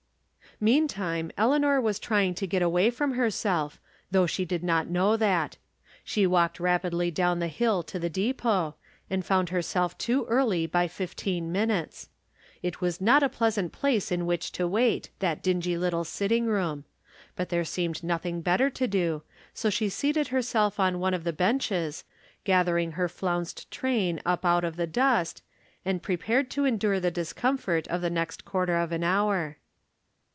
Meantime Eleanor was trying to get away from herseK, though she did not know that. She walked rapidly down the hill to the depot, and found herself too early by fifteen minutes. It was not a pleasant place in which to wait, that dingy little sitting room. But there seemed noth ing better to do, so she seated herself on one of the benches, gathering her flounced train up out of the dust, and prepared to endure the discom fort of the next quarter of an hour.